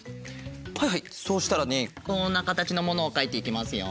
はいはいそうしたらねこんなかたちのものをかいていきますよ。